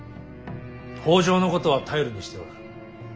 北条のことは頼りにしておる。